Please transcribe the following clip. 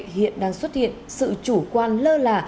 hiện đang xuất hiện sự chủ quan lơ lạ